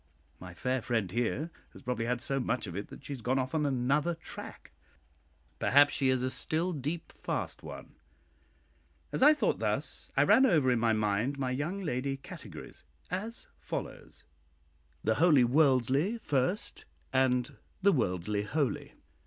My fair friend here has probably had so much of it that she has gone off on another tack; perhaps she is a "still deep fast" one. As I thought thus, I ran over in my mind my young lady categories, as follows: {The wholly worldly First, { and {The worldly holy.